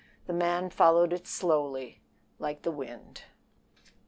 The man followed it slowly like the wind.